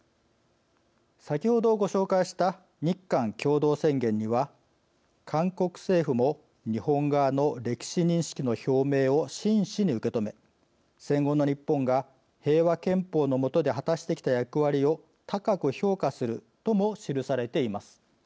先ほどご紹介した日韓共同宣言には韓国政府も日本側の歴史認識の表明を真摯に受け止め戦後の日本が平和憲法の下で果たしてきた役割を高く評価するとも記されています。